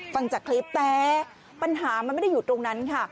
ฟังจากคลิปแต่ปัญหามันไม่ได้อยู่ตรงนั้นค่ะ